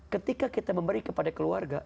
ketika kita memberi kepada keluarga